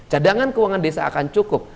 cadangan keuangan desa akan cukup